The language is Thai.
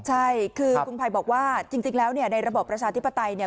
ใช่คือคุณไพรบอกว่าจริงแล้วในระบบประชาธิปไตย